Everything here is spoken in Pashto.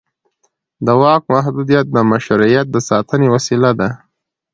د واک محدودیت د مشروعیت د ساتنې وسیله ده